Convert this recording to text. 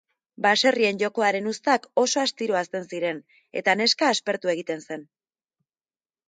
Baserrien jokoaren uztak oso astiro hazten ziren eta neska aspertu egiten zen.